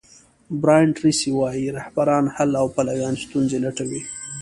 برایان تریسي وایي رهبران حل او پلویان ستونزې لټوي.